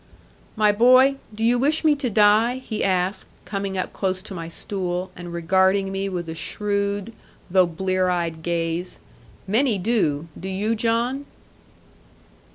'My boy, do you wish me to die?' he asked, coming up close to my stool, and regarding me with a shrewd though blear eyed gaze; 'many do. Do you, John?'